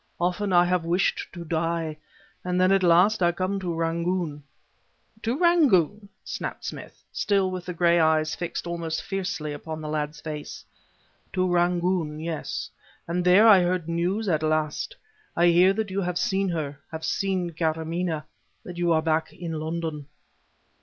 Often I have wished to die. And then at last I come to Rangoon..." "To Rangoon!" snapped Smith, still with the gray eyes fixed almost fiercely upon the lad's face. "To Rangoon yes; and there I heard news at last. I hear that you have seen her have seen Karamaneh that you are back in London."